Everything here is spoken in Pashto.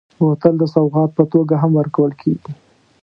بوتل د سوغات په توګه هم ورکول کېږي.